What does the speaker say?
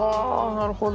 なるほど。